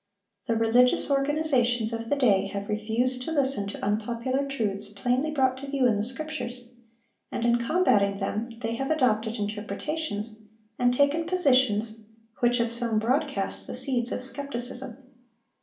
The religious organizations of the day have refused to listen to unpopular truths plainly brought to view in the Scriptures, and in combating them they have adopted interpretations and taken positions which have sown broadcast the seeds of skepticism.